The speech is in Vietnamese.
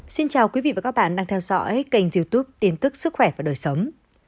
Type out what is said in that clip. xin chào quý vị và các bạn đang theo dõi kênh youtube tin tức sức khỏe và đời sống